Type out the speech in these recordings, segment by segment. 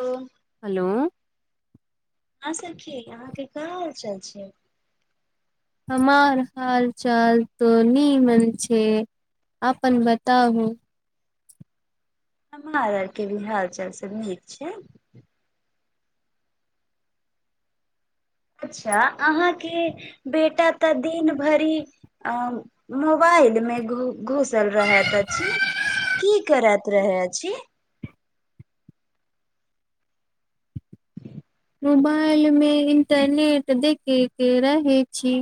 hello, hello अँ सखी अहाँ के काह हालचाल छै हमार हाल चाल त नीमन छै आपन बताबू हमार आर के भी हाल चाल सब नीक छै अच्छा अहाँ के बेटा तऽ दिन भरि अऽ मोबाइल मोबाइल में घु घुसल रहैत अछि की करैत रहै अछि मोबाइल में इंटरनेट देखयके रहैत छी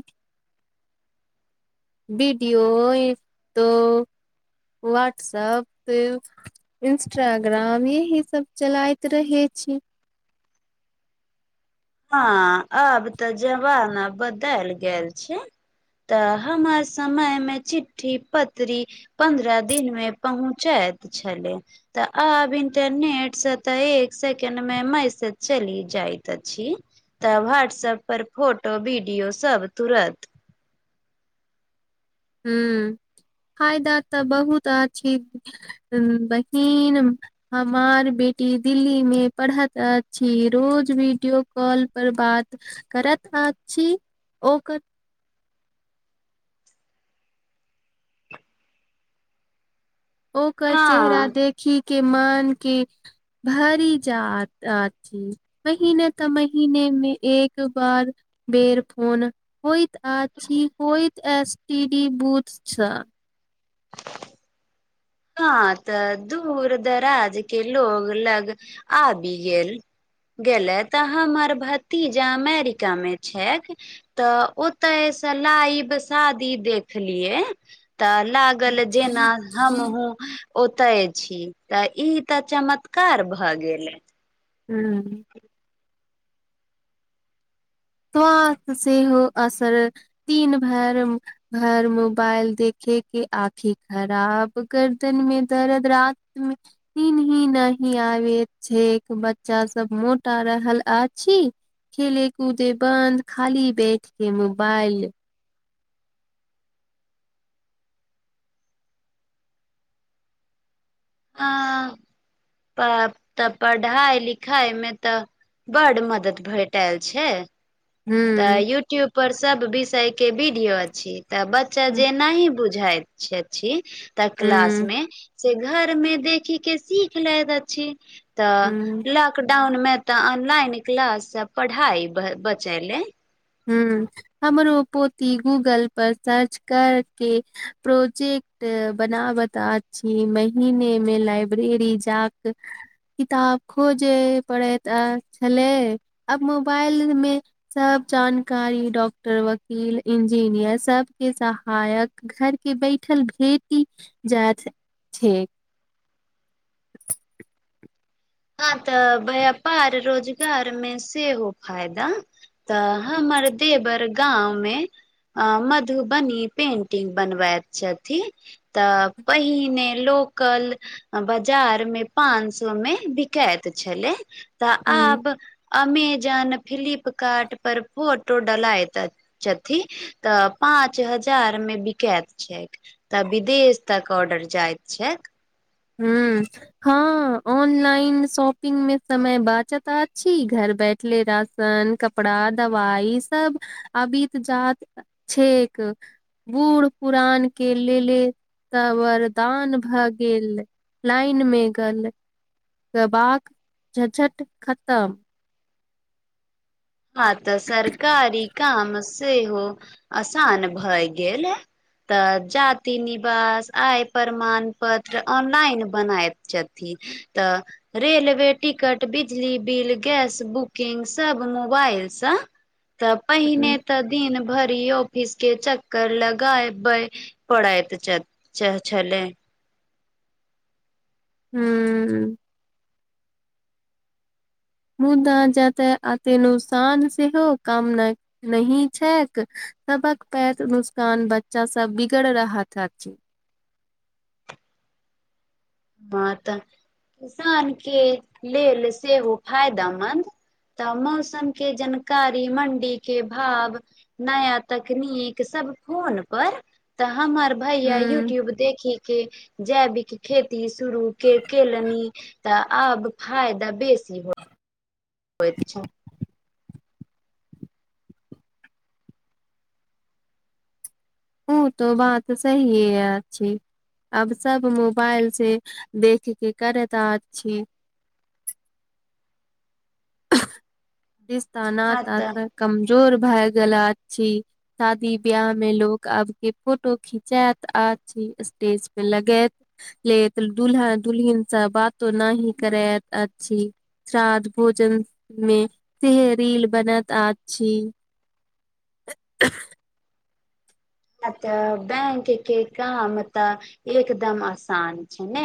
वीडियो फ तऽ वहाट्सप इंस्टाग्राम यही सब चलाइत रहै छै छी हँ अब तऽ जबाना बदैल गेल छै तऽ हमर समय मे चिठ्ठी पत्री पन्द्रह दिन मे पहुँचे छले तऽ आब इंटरनेट से त एक सेकेंड मे मैसेज चली जाइत अछि तऽ व्हाट्सएप पर फोटो वीडियो सब तुरत हू फायदा तऽ बहुत आछि बहिन हमार बेटी टी दिल्ली मे पढ़ैत अछि रोज वीडियो कॉल पर बात करत अछि ओकर [unintelligible] ओकर चेहरा हँ देखी के मान के भरि जा आत अथि महीने तऽ महीनेमे एक बार बेर फोन होइत आ छी होइत एस टी डी बूथस हँ तऽ दूर दराज के लोग लग आबि गेल गेलै तऽ हमर भतीजा अमेरिकामे छै तऽ ओतय से लाइव शादी देखलियै तऽ लागल जेना हम ओतय छी तऽ ई तऽ चमत्कार भए गेले हू स्वास्थ सेहो असर दिन भर भर मोबाइल देखी के आँखि खराब गर्दन में दर्द रात मे दिन ही नही आबे छै बच्चा सब मोटा रहल आछि खेले कूदे बन्द खाली बैठ के मोबाइल ह प तऽ पढ़ाई लिखाइ मे तऽ बड मदद भेटल छै तऽ हूँ यूट्यूब पर सब विषय के वीडियो छी तऽ बच्चा हूँ जेनाही बुझाय अच्छा अच्छी तऽ क्लास हूँ मे से घर मे देखी के सीख लैत अछि तऽ लक लकडाउन मे तऽ ऑनलाइन क्लास पढ़ाइ बचैले ह हमर ओ पोथी गूगल पर सर्च करके प्रोजेक्ट बना बता छी महीने मे लाइब्रेरी जाक किताब खोजे पड़ैत आ छलै आब मोबाइल मे सब जानकारी डॉक्टर वकील इंजीनियर सब के सहायक घर के बैठ भेटी जा छै हँ तऽ व्यापार रोजगार मे सेहो फायदा तऽ हम हमर देवर गाँवमे अ मधुबनी पेंटिंग बनबैत छथिन तऽ पहिने लोक कल बाजार मे पाँच सौ मे बिक कैत छलै तऽ हूँ आब अमेजोन फ्लिपकार्ट पर फोटो डलाइत आ छथि तऽ पाँच हजार मे बिकाइत छैक तऽ विदेश तक ऑर्डर जाइत छैक ह हँ ऑनलाइन शॉपिंग मे समय बाचत अछि घर बैठले राशन कपड़ा दवाई सब अभी तऽ जात छै बूढ़ पुरान के लेले तऽ वरदान भए गेल लाइन मे गल गबाक झझट खतम हँ तऽ सरकारी काम सेहो असान भए गेल तऽ जाति निवास आय प्रमाण पत्र ऑनलाइन बनाईत छथिन तऽ रेलवे टिकट बिजली बिल गैस बुकिंग सब नु मोबाइल स त पहिने हूं त दिन भर ऑफिस के चक्कर लगाए प परैत छले हू मुदा जाते आते न सान सेहो कामना नही छैक सबक पैर नुस्कान बच्चा सब बिगड़ रहत अछि हँ तऽ किसान के लेल सेहो फायदामन्द तऽ मौसम के जानकारी मण्डी के भाव नया तकनीक सब सब फोन पर तऽ हमर भैया हूं यूट्यूब देखिक के जैविक खेती शुरू के केलनि तऽ आब फायदा बेसी हो होईत छै ऊ त बात सहिए अच्छी आब सभ मोबाइलसँ देख के करैत अछि [inaudible] रिस्ता नाता तऽ कम जोर भए गेल अछि शादी ब्याह में लोक आब के फोटो खिंचायत आर स्टेज पे लगे लेत दुलहा दुलहिनसँ बातो नहि करै अच्छी श्राध भोजन मे से रील बनैत अछि ह तऽ बैंक के काम तऽ एकदम आसान छै ने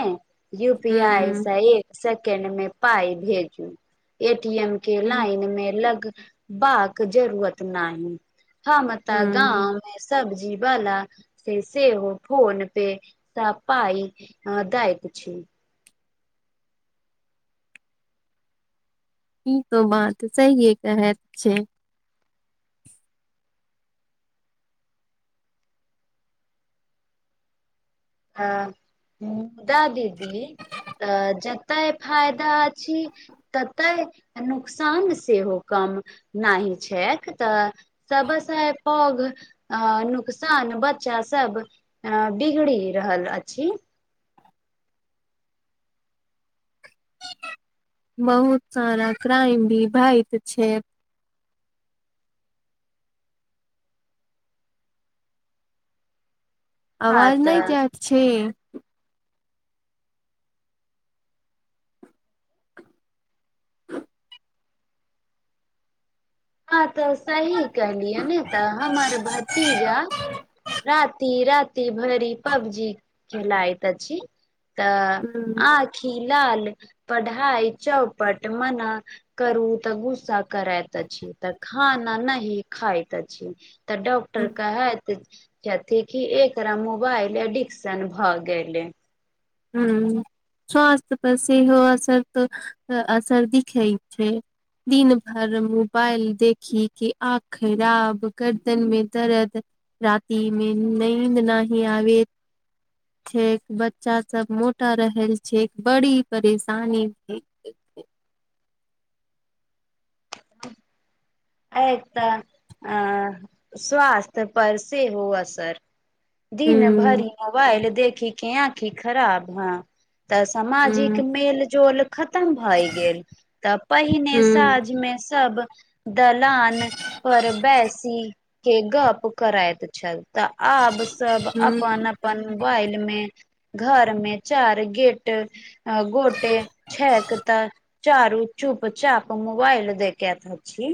यू पी आइ हूँ सँ एक सेक्ड मे पाइ भेजू एक ए टी एम के हूँ लाइन मे लग बाक जरूरत नहि हँ माता गांव मे स सब्जी वाला से सेहो फोन पे सब पाई दाय छी ई तो बात सहिए कहैत छै ह मुदा दीदी तऽ जते फायदा अछि तते नुकसान सेहो कम नहि छैक तऽ सबसे पैघ अ नुकसान बच्चा सब अ बिगड़ी रहल अछि बहुत सारा क्राइम भी भैत छै हँ अवाज नहि तऽ जाइत छै हँ तऽ सही कहलियै ने तऽ हमर भतीजा राति राति भरि पबजी खेलाइत अछि तऽ हूँ आखी लाल पढ़ाई चौपट मना करू तऽ गुस्सा करैत अछि तऽ खाना नहि खाइत अछि तऽ डॉक्टर कहैत कथी कि एकरा मोबाइल एडिक्शन भऽ गेलै हू स्वास्थ्य पर सेहो असर तऽ असर दिखइ छै दिन भर मोबाइल देखी के आँख खराब गर्दन मे दरद रातिमे नींद नहि आबैत छै बच्चा सब मोटा रहल छै बड़ी परेशानी एक तऽ अ स्वास्थ्य पर सेहो असर दिन भरि हूँ मोबाइल देखखी के आँखी खराब हँ तऽ सामाजिक हूँ मेल जोल खतम भए गेल तऽ पहिने हूँ साझ मे सब दलान पर बेसी के गप करैत छल तऽ आब सब अपन हूँ अपन मोबाइल मे घर मे चार गेट गोटे छैक त चारू चू चुपचाप मोबाइल देखैत अछी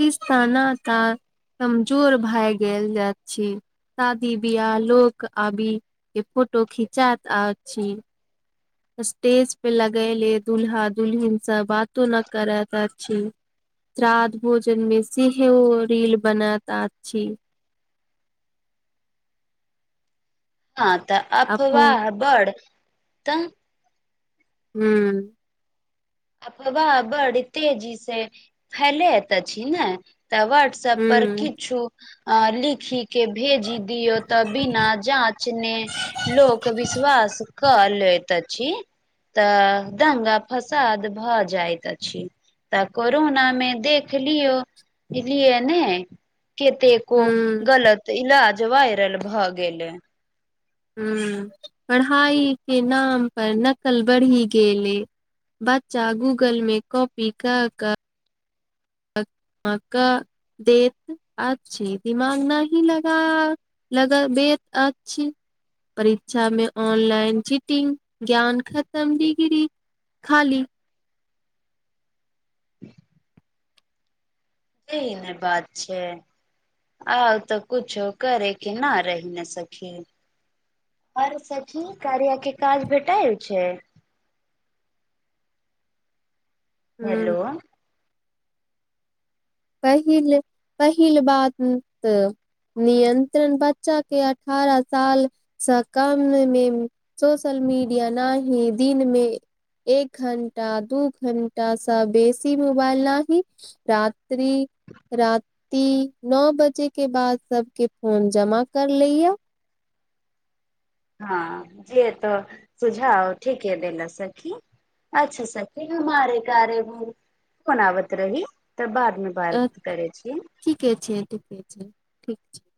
तिस्ताना तऽ कमजोर भए गेल अछि सादी बिया लोक आबि के फोटो खिचाइत अछी स्टेज पे लगैेले दुल्हा दुल्हिनसँ बातो न करैत अछि श्राद्ध भोजन मे सेहो ओ रील बनैत अछि हँ तऽ अफो अफवाह बड़ तऽ हू अफवा बड़ तेजी से फैलैत अछि न तऽ बाट्सऐप पर हुं किछु लिखि के भेजी दियौ तऽ बिना जाँचने लोक विश्वास क लैत छी तऽ दंगा फस साद भऽ जाइत अछि तऽ कोरोना मे देख लियौ इलिय ने कतेको हुं गलत इलाज वायरल भऽ गेलै हू पढ़ाईके नाम पर नकल बढ़ि गेलैइ बच्चा गूगलमे कॉपी क कऽ पक्का देत अछी दिमाग नही लगा लगा बेत अछि परीक्षा मे ऑनलाइन चीटिंग ज्ञान खतम डिग्री खाली जे न बात छैय आउ तऽ कुछो करे के ना रहि ना सखी अरे सखी कार्याके काज भेटायल छैई हुं हेलो पहिल पहिल बात तऽ नियन्त्रण बच्चा के अठारह साल सँ कम मे सोशल मीडिया ना ही दिनमे एक घण्टा दू घण्टा सा बेसी मोबाइल नाहि रात त्री राति नौ बजे के बाद सबके फोन जमा कर लैय हँ जे त सुझाव ठीके देल सखी अच्छा सखी हमारे कार्य ब कोन आबत रही तऽ बादमे बात अ करै छी ठीके छैय ठीके छैय ठीक छैइ